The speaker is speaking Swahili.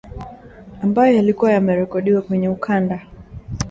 ambayo yalikuwa yamerekodiwa kwenye ukanda